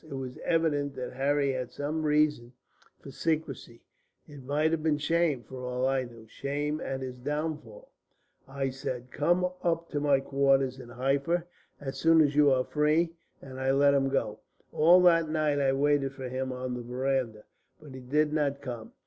It was evident that Harry had some reason for secrecy; it might have been shame, for all I knew, shame at his downfall. I said, 'Come up to my quarters in Halfa as soon as you are free,' and I let him go. All that night I waited for him on the verandah, but he did not come.